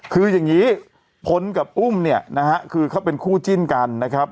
คืออย่างนี้พลกับอุ้มเนี่ยนะฮะคือเขาเป็นคู่จิ้นกันนะครับ